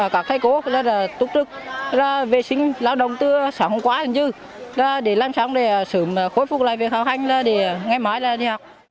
các thầy cô giáo và các em học sinh nơi đây